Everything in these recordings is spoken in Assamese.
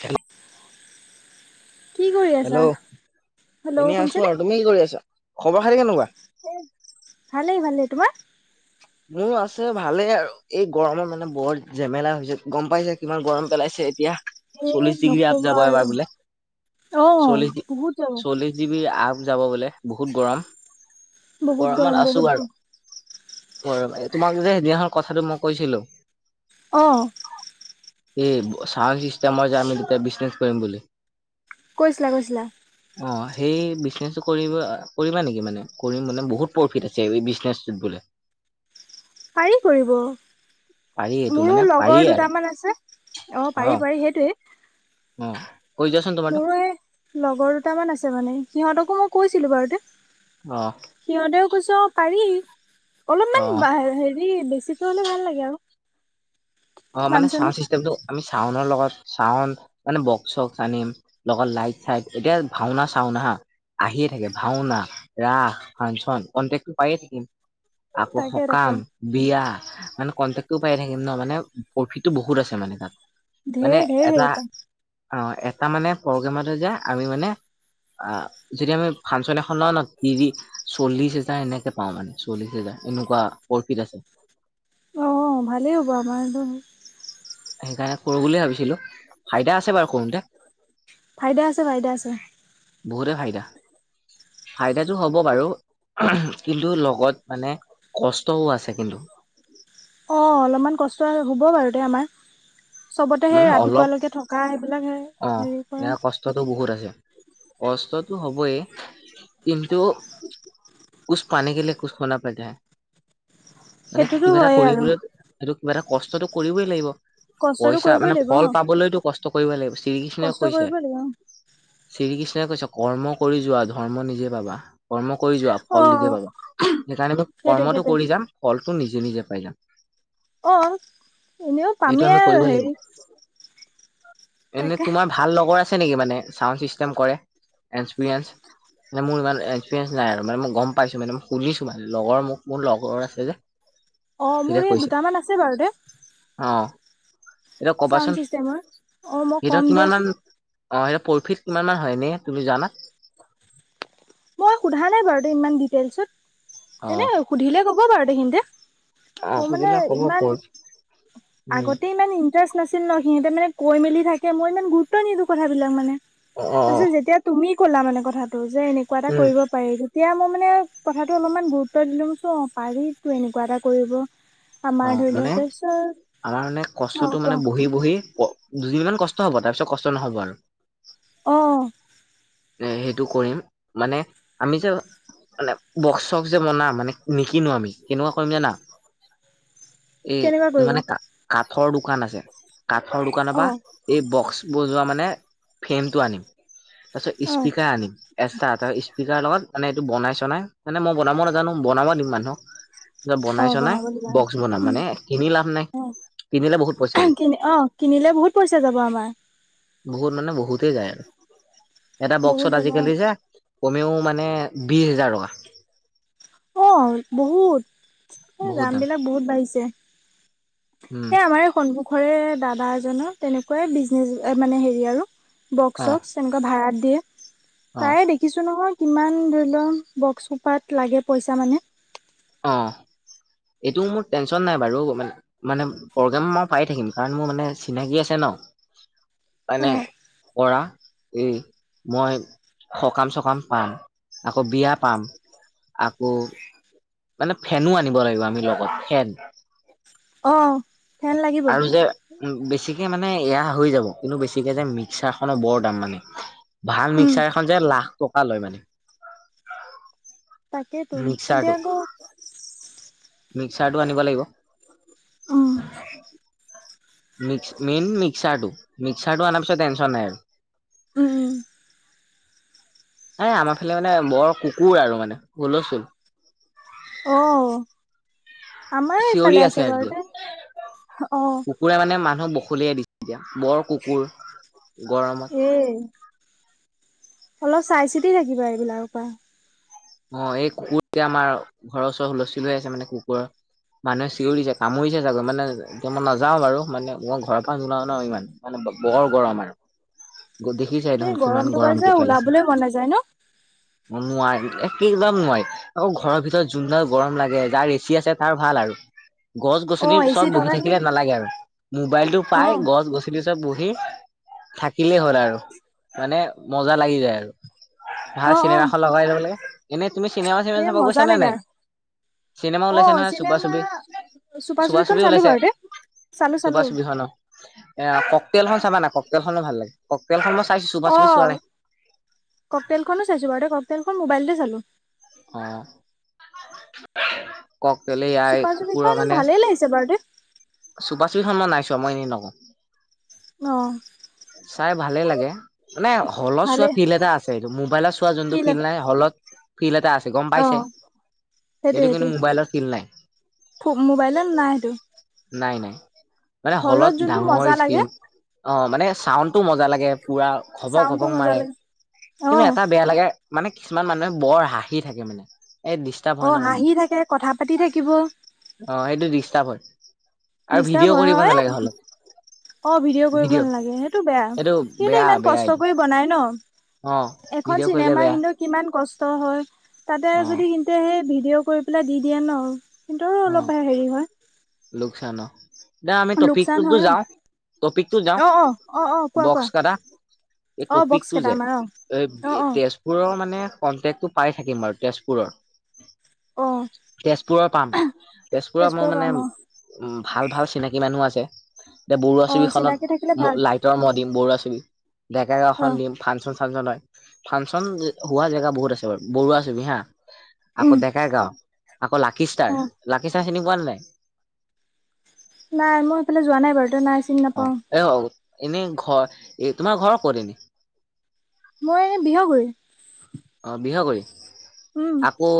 হেল্ল' কি কৰি আছা? হেল্ল' হেল্ল' এনেই আছো শুনিছেনে? আৰু তুমি কি কৰি আছা খবৰ খাতি কেনেকুৱা? ভালেই ভালে তোমাৰ মোৰ আছে ভালেই আৰু এই গৰমত মানে বৰ জেমেলা হৈছে গম পাইছে কিমান গৰম পেলাইছে এতিয়া এ চল্লিশ ডিগ্ৰী আপ নকবা যাব আৰু। এবাৰ বোলে অ'। চল্লিশ বহুত গৰম। চল্লিশ ডিগ্ৰী আপ যাব বোলে বহুত গৰম, বহুত গৰম গৰমত আছোঁ বহুত গ বাৰু। অ' ৰবা তোমাক যে সেইদিনাখন কথাটো মই কৈছিলোঁ। অ'। এই চাউণ্ড চিষ্টেমৰ যে আমি দুটাই বিজনেছ কৰিম বুলি। কৈছিলা কৈছিলা। অ' সেই বিজনেচটো কৰিব কৰিবা নেকি মানে কৰিম মানে বহুত প্ৰফিট আছে এই বিজনেচটোত বোলে। পাৰি কৰিব। পাৰি এইটো মোৰো মানে পাৰি লগৰ আৰু দুটামান আছে, অ' পাৰি পাৰি সেইটোৱে। অ'। কৈ যোৱাচোন তোমাৰতো মোৰো এই লগৰ দুটামান আছে মানে সিহঁতকো মই কৈছিলোঁ বাৰুতে। অ সিহঁতেও কৈছে অ' পাৰি। অ। অলপমান হেৰি বেছিকৈ হ'লে ভাল লাগে আৰু। অ' মানে মানুহ চানুহ। ছাউণ্ড চিষ্টেমটো আমি চাউনৰ লগত চাউন মানে বক্স চক্স আনিম লগত লাইট চাইট, এতিয়া ভাওনা চাওনা হা আহিয়ে থাকে ভাওনা, ৰাস, ফাংচন কনটেকটো পায়ে থাকিম। আকৌ তাকে তাকে সকাম, বিয়া মানে কণ্টেক্টটো পাই থাকিম ন' মানে প্ৰফিটটো বহুত আছে মানে তাত। মানে ধেৰ ধেৰ এটা হেৰি পাম। অ' এটা মানে প্ৰগ্ৰেমতে যে আমি মানে আ, যদি আমি ফাংচন এখন লও ন' তিৰি, চল্লিশ হেজাৰ এনেকে পাও মানে চল্লিশ হেজাৰ। এনেকুৱা প্ৰফিট আছে। অ' ভালেই হ'ব আমাৰ দু সেইকাৰণে কৰোঁ বুলিয়ে ভাবিছিলোঁ, ফাইদা আছে বাৰু কৰোঁতে। ফাইদা আছে, ফাইদা আছে। বহুতে ফাইদা। ফাইদাটো হ'ব বাৰু। কিন্তু লগত মানে কষ্টও আছে কিন্তু। অ' অলপমান কষ্ট হ'ব বাৰু দে আমাৰ। চবতে সেই মানে অলপ ৰাতিপুৱাালৈকে থকা সেইবিলাক হে অ' হেৰি কৰা ইয়াৰ কষ্টতটো বহুত আছে। কষ্টটো হ'বই কিন্তু কুছ পানে কে লিয়ে কুছ খনা পৰ্তা হে। মানে সেইটোতো কিবা এটা হয়ে আৰু কৰিবলৈ হেটো কিবা এটা কষ্টতটো কৰিবই লাগিব। কষ্টটো পইচা কৰিবই মানে লাগিব অ ফল পাবলৈটো কষ্ট কৰিব লাগিব। শ্ৰীকৃষ্ণই কষ্ট কৈছে কৰিব লাগিব অ'। শ্ৰীকৃষ্ণই কৈছে কৰ্ম কৰি যোৱা ধৰ্ম নিজেই পাবা। কৰ্ম কৰি যোৱা অ ফল নিজে পাবা, সেইকাৰণে আমি সেইটোৱে কৰ্মটো সেইটোৱে কৰি যাম ফলটো নিজে নিজে পাই যাম। অ' এনেও এইটো আমি পামেই আৰু কৰিব লাগিব হেৰি এনে তাকে তোমাৰ ভাল লগৰ আছে নেকি মানে ছাউণ্ড চিষ্টেম কৰে, এক্সপেৰীয়েঞ্চ। মানে মোৰ ইমান এক্সপিৰিয়েঞ্চ নাই আৰু মানে মই গম পাইছোঁ মানে মই সুধিছোঁ মানে লগৰ মোক মোৰ লগৰৰ আছে যে। অ' সিহঁতে মোৰ এই কৈছে দুটামান আছে বাৰু দে। অ এতিয়া ছাউণ্ড কবাচোন চিষ্টেমৰ অ' মই সিহঁতৰ কম কিমান দিয়াচোন মান অ' সিহঁতৰ প্ৰফিট কিমান হয় এনে তুমি জানা? মই সোধা নাই বাৰু ইমান ডিটেইলছত, অ এনে সুধিলে ক'ব বাৰু সিহঁতে। অ মোৰ মানে সুধিলে ক'ব ইমান প্ৰফিট উম আগতে ইমান ইন্টাৰেষ্ট নাছিল ন' সিহঁতে মানে কৈ মেলি থাকে মই ইমান গুৰুত্ব নিদিওঁ কথাবিলাক মানে, অ অ অ তাৰপিছত যেতিয়া তুমি কলা মানে কথাটো যে এনেকুৱা এটা উম কৰিব পাৰি তেতিয়া মই মানে কথাটো অলপমান গুৰুত্ব দিলোঁ, অ' পাৰিতো এনেকুৱা এটা কৰিব। আমাৰ অ' ধৰি লোৱা মানে তাৰপিছত আমাৰ মানে অ' কষ্টটো কোৱা মানে বহি বহি দুদিনমান কষ্ট কষ্ট হ'ব তাৰপিছত কষ্ট নহ'ব আৰু। অ'। এই সেইটো কৰিম মানে আমি যে, মানে বক্স চখ যে বনাম মানে নিকিনো আমি কেনেকুৱা কৰিম জানা? এ কেনেকুৱা কৰিবা মানে কা-কা কাঠৰ দোকান আছে, কাঠৰ দোকানৰ পৰা অ' এই বক্স বজোৱা মানে মানে ফ্ৰেমটো আনিম, তাৰপিছত অ' স্পীকাৰ আনিম, এক্সটা তাৰপিছত স্পীকাৰ লগত মানে এইটো বনাই চনাই মানে মই বনাব নাজানোঁ বনাব দিম মানুহক। অ' বনাই-চনাই বনাব দিবা বক্স বনাম মানে কিনি লাভ নাই। কিনিলে বহুত পইচা যায় [unintelligible] অহ, কিনিলে বহুত পইচা যাব আমাৰ। বহুত মানে বহুতেই যায় আৰু। এটা বহুত বক্সত যাব আজিকালি যে কমেওঁ মানে বিশ হেজাৰ টকা। অহ, বহুত এ বহুত দাম দামবিলাক বহুত বাঢ়িছে। উম এ আমাৰ এই সন্মূখৰে দাদা এজনৰ তেনেকুৱাই বিজনেচ মানে হেৰি আৰু। অ বক্স-চক্স তেনেকুৱা ভাড়াত দিয়ে। অ তাৰে দেখিছোঁ নহয় কিমান ধৰি লওঁক বক্স শোপাত লাগে পইচা মানে। অহ। এইটো মোৰ টেনচন নাই বাৰু মানে, মানে প্ৰগ্ৰেম মই পাই থাকিম, কাৰণ মোৰ মানে চিনাকি আছে ন'। [inaudible] অ মানে কৰা এই মই সকাম-চকাম পাম, আকৌ বিয়া পাম। আকৌ মানে ফেনো আনিব লাগিব আমি লগত। ফেন অ ফেন লাগিব আৰু যে বেছিকে মানে মানে এয়া হৈ যাব, কিন্তু বেছিকে যে মিক্সাৰ খনৰ বৰ দাম মানে। ভাল উম মিক্সাৰখন যে লাখ টকা লয় মানে। তাকেতো এতিয়া মিক্সাৰটো আকৌ মিক্সাৰটো আনিব লাগিব। উম মিকছ, মেইন মিক্সাৰটো। মিক্সাৰটো আনাৰ পিছত টেনচন নাই আৰু। উম। এ আমাৰ ফালে মানে বৰ কুকুৰ আৰু মানে হোলস্তোল। অহ। আমাৰ চিঞৰি এইফালে আছে বাৰু আজিকালি তে' অহ। বশলিয়াই দিছে এতিয়া বৰ কুকুৰ গৰমত। এই অলপ চাই-চিতি থাকিবা এইবিলাকৰ পৰা। অহ, এই কুকুৰ যেতিয়া আমাৰ ঘৰৰ ওচৰ হুলস্থুল হৈ আছে মানে কুকুৰৰ। মানুহে চিঞৰিছে কামুৰিছে চাগৈ, মানে এতিয়া মই নাযাওঁ বাৰু মানে মই ঘৰৰ পৰা নোলাও ন' ইমান মানে। বৰ গৰম আৰু। [unintelligible] দেখিছাই এই দেখোন কিমান গৰমটোৰ পৰা গৰমকে যে পেলাইছে ওলাবলৈ মন নাযায় ন'। নোৱাৰি এ কি একদম নোৱাৰি আকৌ ঘৰৰ ভিতৰত যোনডাল গৰম লাগে, যাৰ এচি আছে তাৰ ভাল আৰু। অ গছ-গছনি এ চি চব বহি থকাখিনি থাকিলে নালাগে আৰু মোবাইলটো অ পাই গছ-গছনিত ত' বহি থাকিলেই হ'ল আৰু মানে মজা লাগি যায় আৰু। ভাল অ অ চিনেমা এখন লগাই লাগে। এনেই তুমি চিনেমা-চিনেমা সেই চাব মজা গৈছা নে লাগে নাই? আৰু চিনেমা অ ওলাইছে নহয় চুপা চিনেমা চুপি, চুপা চুপিখন চুপি চালো ওলাইছে। বাৰু দে চালো চুবা চালো চুবিখনৰ এ ক'কটেলখন চাবা না ক'কটেলখনো ভাল লাগে। ক'কটেলখন মই চাইছো চুপা অহ, চুপি চোৱা নাই ক'কটেলখনো চাইছোঁ বাৰু তে' ক'কটেলখন মোবাইলতে চালোঁ। অহ, ক'কটেল ইয়াই চুপা কুকুৰা চুপিখন মানে ভালে লাগিছে বাৰু দে চুপাচুপিখন মই নাই চোৱা মই এনেই নকওঁ। অহ। চাই ভালে লাগে মানে হ'লত ভালে চোৱা ফিল্ড এটা আছে, এইটো মোবাইলত চোৱা যোনটো ফিল ফিল্ড এটা নাই, হ'লত ফিল্ড এটা আছে গম অ পাইছাই। এইটো সেইটোয়ে কিন্তু মোবাইলৰ ফিল নাই সেইটোয়ে মোবাইলত নাই সেইটো নাই নাই মানে হলত যোনটো ডাঙৰ মজা লাগে স্ক্ৰীন অ মানে চাউণ্ডটো মজা লাগে পৰা খবক চাউণ্ডটো খবক মজা মাৰে লাগে অ কিন্তু এটা বেয়া লাগে মানে কিছুমান মানুহে বৰ হাঁহি থাকে মানে এই ডিষ্টাৰ্ব অ হয় ন মানুহ হাঁহি থাকে কথা পাতি থাকিব অ সেইটো ডিষ্টাৰ্ব হয় আৰু ডিষ্টাৰ্ব ভিডিঅ' কৰিব হয় নালাগে অ হল অ ভিডিঅ' কৰিব নালাগে সেইটো এইটো বেয়া কিন্তু বেয়া ইমান বেয়া কষ্ট এইটো কৰি বনাই ন অ এখন ভিডিঅ' কৰিলে চিনেমা বেয়া হিন্দু কিমান কষ্ট হয় তাতে অ যদি সন্তে সেই ভিডিঅ' কৰি পেলাই দি দিয়ে ন কিন্তৰো অলপ হেৰি হয় খানা দে আমি লোকচান টপিকটোতো হয় যাওঁ টপিকটো যাওঁ অ অ অ অ অ কোৱা কোৱা বক্স কটা এই অ বক্স টপিকটো কেইটা যে আমাৰ অ এ অ অ তেজপুৰৰ মানে কন্টেক্টো পাই থাকিম বাৰু তেজপুৰৰ অ তেজপুৰৰ পাম তেজপুৰত মোৰ তেজপুৰৰ পৰা মানে অ উ ভাল ভাল চিনাকি মানুহ আছে এ বৰুৱা অ ছবি খত চিনাকি থাকিলে ভাল লাইটৰ ম দিম বৰুৱা ছবি ডেকাে অ গাওখন দিম ফাংচন ফাংচন হয় ফাংচন হোৱা জেগা বহুত আছে বাৰু বৰুৱা ছবি হা আকৌ উম ডেকাই গাঁও আকৌ লাকিষ্টাৰ অ পিা চিনি পোৱা ন নাই নাই মই এইফালে যোৱা নাই বাৰুত নাই চিনি অ নাপাও এ হ এনে ঘৰ এ তোমাৰ ঘৰৰ ক'ত এনে মই এনে বিহগুৰি অ বিহ কৰি উম আকৌ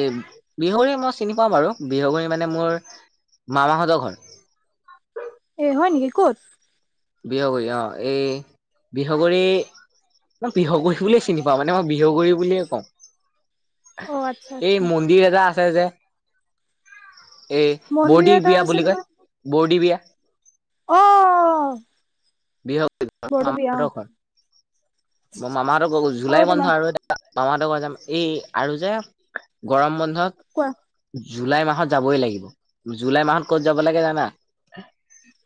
এ বিহুৰি মই চিনি পাওঁ বাৰু বিহুগুৰি মানে মোৰ মামাাহঁত ঘৰ এ হয় নেকি ক'ত বিহগুৰি আহ এই বিহগুৰি মই বিহগহী বুলে চিনি পাওঁ মানে মই বিহগু়ী বুলিয়ে কওঁ অ আচ্ছা এই আচ্ছা মন্দিৰ এটা আছে যে এই মন্দিৰ বৰ্দি এটা বিয়া বুলি কয় বৰ্দী বিয়া আহ বি মামাহতৰ ঘৰ মামাহঁতৰ অ জুলাই বন্ধ তোমাৰ আৰু এ মামা লগগৰ যাম এই আৰু যে গৰম কোৱা বন্ধত জুলাই মাহত যাবই লাগিব জুলাই মাহত ক'ত যাব লাগে জানা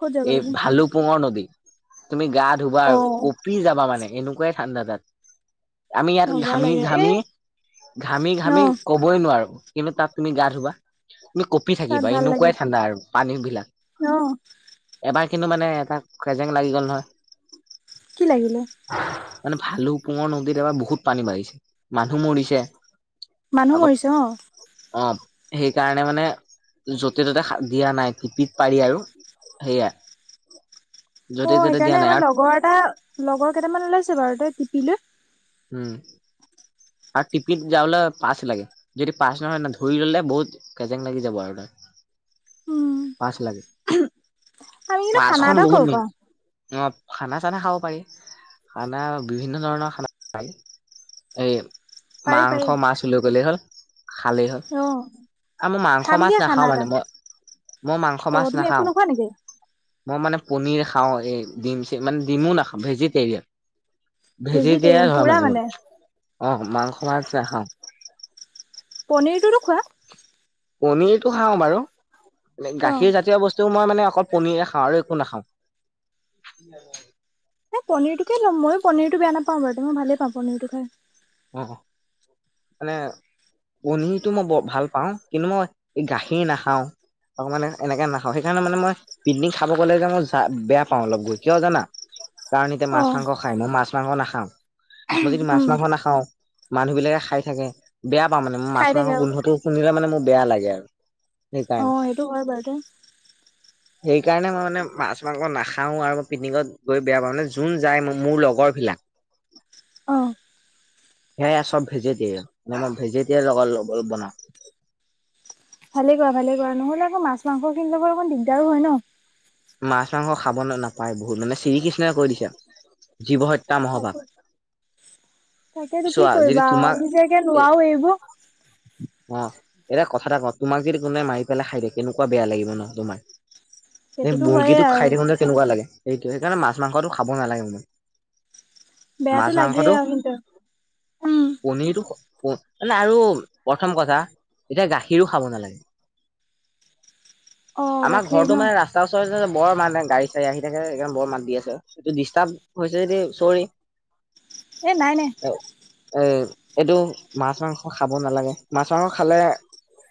ক'ত যাব লাগে ভালু পুঙৰ নদী তুমি গা ধুবা অ আৰু কঁপি যাবা মানে এনেকুৱাই ঠাণ্ডা তাত আমি ইয়াত মজা ঘামি লাগে এ ঘামি ঘামি ন ঘামি কবই নোৱাৰো কিম তাত তুমি গা ধবা তুমি কঁপি তাত থাকিবা ভাল লাগে এনেকুৱাই ঠাণ্ডা আৰু পানী বিলাক অ এবাৰ কিন্তু মানে এটা খেজেং লাগি গ'ল নহয় কি লাগিলে মানে ভালু পুঙৰ নদীত এবাৰ বহুত পানী বাঢ়িছে মানুহ মৰিছে মানুহ আকৌ মৰিছে অ অ' সেইকাৰণে মানে য'তে ত'তে দিয়া নাই টিপিত পাৰি আৰু সেয়া য'তে অ ত'তে দিয়া সেইকাৰণে নাই আমাৰ আৰু লগৰ এটা লগৰ কেইটামান ওলাইছে বাৰু তই টিপৈ হম আৰু টিপিত যাাবলৈ পাছ লাগে যদি পাছ নহয় ন ধৰি ললে বহুত কেজেং লাগি যাব আৰু ত [inaudible] পাঁচ লাগে আমি কিন্তু খানা পাঁচখন এটা বহুত খাব ম পাৰো। অ খানা চানা খাব পাৰি। খানা বিভিন্ন ধৰণৰ খানা খাই এই পাৰি মাংস পাৰি মাছ লৈ গ'লে হল। খালেই হল, অ', আৰু মই মাংস খাম মাছ দিয়া নাখাও, খানা মানে, এটা। মই মই মাংস মাছ অ', তুমি একো নাখাওঁ। নোখোৱা নেকি? মই মানে পনীৰ খাওঁ, এই ডিম চিম মানে ডিমো নাখাওঁ। ভেজিটেৰিয়ান ভেজি [unintelligible] পুৰা মানে। অ', মাংস মাছ নাখাওঁ। পনীৰটোতো খোৱা? পনীৰটো খাওঁ বাৰু অ', গাখীৰ জাতীয় বস্তু মই মানে অকল পনীৰে খাওঁ আৰু একো নাখাওঁ। এই পনীৰটোকে ল'ম ময়ো পনীৰটো বেয়া নাপাওঁ বাৰু মইতো ভালেই পাওঁ পনীৰটো খাই। অ', মানে পনীৰটো মই বৰ ভাল পাওঁ, কিন্তু মই এই গাখীৰ নাখাওঁ। অ', মানে এনেকে নাখাওঁ। সেইকাৰণে মানে, মই পিকনিক খাব গ'লে যে, মই বেয়া পাওঁ অলপ গৈ কিয় জানা কাৰণ এতিয়া মাছ অ', মাংস খায়, মই মাছ মাংস নাখাওঁ। মই যদি মাছ উম, মাংস নাখা খাওঁ মানুহ বিলাকে খাই থাকে, বেয়া পাওঁ মানে, মই মাছ খাই থাকে মাংসৰ আৰু গোন্ধটো শুঙিলে মানে মোৰ বেয়া লাগে আৰু। সেইকাৰণে। অ', সেইটো হয় বাৰু দে সেইকাৰণে মানে মাছ মাংস নাখাওঁ আৰু পিকনিকত গৈ বেয়া পাওঁ নে যোন যায় মোৰ লগৰ বিলাক অ'। সেয়া চব ভেজিটৰি মানে, মই ভেজিটৰিায়েন লগ ভালে কৰা ভালে কৰা নহ'লে আকৌ মাছ মাংস খিনি লগত অকণ দিগদাৰো হয় ন। মাছ মাংস খাব নাপায় বহুত মানে চিৰিকি কৈ দিছে জীৱহত্যা মহপাপ। তাকেতো কি কৰিবা, আমি যে কে এ নোৱাৰো এৰিব। অ', এতিয়া কথা এটা কওঁ, তোমাক যদি কোনোবাই মাৰি পেলাই খাই দিয়ে কেনেকুৱা বেয়া লাগিব ন তোমাৰ। এই সেইটোতো হয়ে মুৰ্গীটো খাই আৰু। থাকোতে তেনেকুৱা লাগে। সেইটো সেইকাৰণে মাছ মাংসটো খাব নালাগে মোৰ বেয়াতো মাছ লাগেই মাংসটো আৰু কিন্তু উম, পনিৰটো প মানে আৰু প্ৰথম কথা এতিয়া গাখীৰো খাব নালাগে অ', আমাৰ গাখীৰ ঘৰটো ন' মানে ৰাস্তাৰ ওচৰে বৰ মানে, গাড়ী চাড়ী আহি থাকে। একদম বৰ মাত দি আছে সেইটো ডিষ্টাৰ্ব হৈছে যদি চৰি। এ নাই নাই। এ এ, এইটো মাছ মাংস খাব নালাগে মাছ মাংস খালে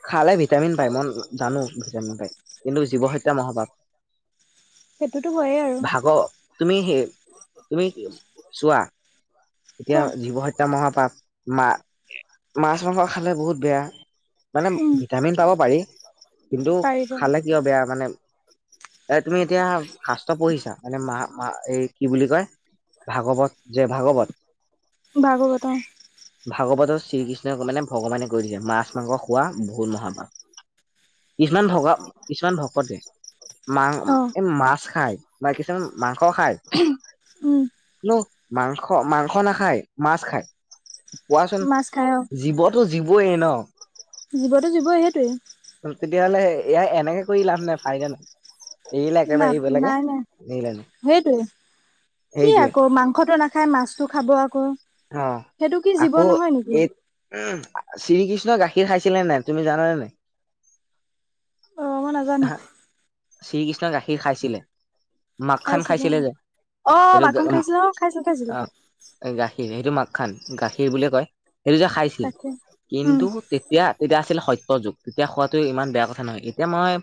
খালে ভিটামিন পায় মই জানো ভিটামিন পায়, কিন্তু জীৱহত্যা মহাপাপ। সেইটোতো হয়েই আৰু। তুমি সেই, তুমি চোৱা এতিয়া কোৱা জীৱহত্যা মহাপাপ মা মাছ মাংস খালে বহুত বেয়া। মানে, উম ভিটামিন পাব পাৰি কিন্তু, পাৰিব খালে কিয় বেয়া মানে এ, তুমি এতিয়া শাস্ত্ৰ পঢ়িছা মানে, মা-মা এই কি বুলি কয় ভাগৱত যে ভাগৱত ভাগৱত অ'। ভাগৱতত শ্ৰীকৃষ্ণই মানে, ভগৱানে কৈ দিছে মাছ মাংস খোৱা ভূল মহাপাপ। কিছুমান ভকত কিছুমান ভকতে মাং অ অ', এই মাছ খায়, বা কিছুমান মাংস খায় উম, ন মাংস মাস মাংস নাখায় মাছ খায়, কোৱাচোন মাছ খাই অ জীৱতো জীৱয়েই ন। জীৱতো জীৱই সেইটোৱেই। এইয়া এনেকে কৰি লাভ নাই, ফাইদা নাই। এৰিলে না, একেবাৰে এৰিব লাগে। নাই নাই, এৰিলে নাই সেইটোৱেই। কি সেইটোৱে আকৌ, মাংসটো নাখায় মাছতো খাব। আকৌ অ', সেইটো কি জীৱ আকৌ নহয় নেকি এই উহ শ্ৰীকৃষ্ণই গাখীৰ খাইছিলে নে নাই? তুমি জানানে নাই? অ মই নাজানো। শ্ৰীকৃষ্ণই গাখীৰ খাইছিলে, মাকখান খাইছিলো খাইছিলে যে, অ অ এইটো মাখন খাইছিলা খাইছিলো খাইছিলো অ', গাখীৰ, সেইটো মাক খান গাখীৰ বুলিয়েই কয়, সেইটো যে খাইছিল, তাকে উম কিন্তু তেতিয়া, তেতিয়া আছিল সত্য যুগ। তেতিয়া খোৱাতো ইমান বেয়া কথা নহয়, এতিয়া মই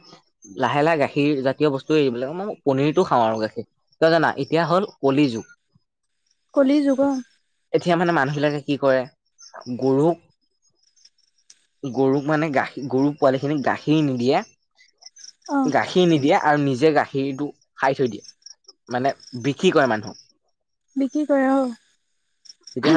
লাহে লাহে গা গাখীৰ জাতীয় বস্তু এইবিলাক মই পনীৰটো খাওঁ আৰু গাখীৰ, কিয় জানা? এতিয়া হ'ল কলি যুগ। কলি যুগ অহ। এতিয়া মানে মানুহবিলাকে কি কৰে? গৰুক গৰুক মানে গাখীৰ, গৰু পোৱালিখিনিক গাখীৰ নিদিয়ে। অ', গাখীৰ নিদিয়ে আৰু নিজে গাখীৰ খিৰটো খাই থৈ দিয়ে, মানে বিক্ৰী কৰে মানুহক। বিক্ৰী কৰে অহ। তেতিয়া